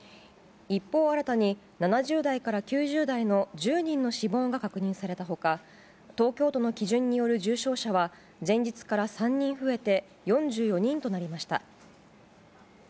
一方、新たに７０代から９０代の１０人の死亡が確認された他東京都の基準による重症者は前日から３人増えて４４人となりました。